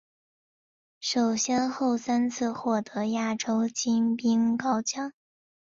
曾先后三次获得亚洲金冰镐奖。